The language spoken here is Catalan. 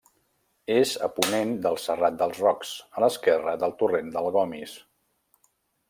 És a ponent del Serrat dels Rocs, a l'esquerra del torrent del Gomis.